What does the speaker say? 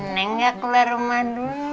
neng gak keluar rumah dulu